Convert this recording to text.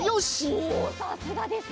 おおさすがですね。よし！